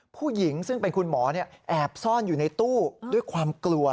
ผู้หญิงซึ่งเป็นคุณหมอแอบซ่อนอยู่ในตู้ด้วยความกลัว